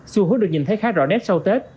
xu hướng được nhìn thấy khá rõ nét sau tết